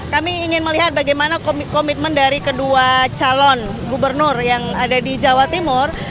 kami ingin melihat bagaimana komitmen dari kedua calon gubernur yang ada di jawa timur